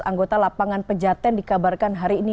anggota lapangan pejaten dikabarkan hari ini